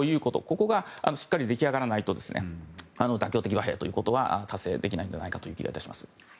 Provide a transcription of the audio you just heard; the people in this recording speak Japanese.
ここがしっかり出来上がらないと妥協的和平ということは達成できないんじゃないかという気がいたします。